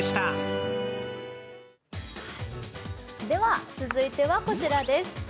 では続いてはこちらです。